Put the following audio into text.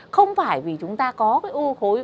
không phải vì chúng ta có cái u khối